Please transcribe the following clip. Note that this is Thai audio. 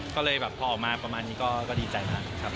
ก็เลยแบบพอออกมาประมาณนี้ก็ดีใจมากครับ